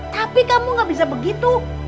tapi kamu gak bisa begitu